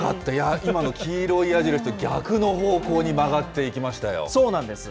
今の黄色い矢印と逆の方向に曲がそうなんです。